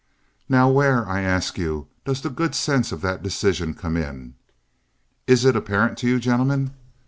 Now where, I ask you, does the good sense of that decision come in? Is it apparent to you, gentlemen?